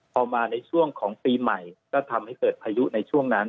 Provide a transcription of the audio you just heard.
พอมาในช่วงของปีใหม่ก็ทำให้เกิดพายุในช่วงนั้น